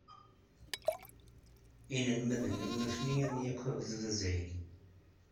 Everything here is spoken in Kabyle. Inelmaden am nutni am yakk agdud azzayri.